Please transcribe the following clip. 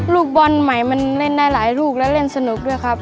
ลูกบอลใหม่มันเล่นได้หลายลูกแล้วเล่นสนุกด้วยครับ